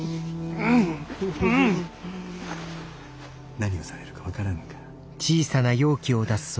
何をされるか分からぬか。